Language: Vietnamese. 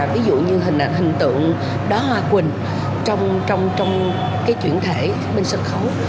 ví dụ như hình ảnh hình tượng đó hoa quỳnh trong cái chuyển thể bên sân khấu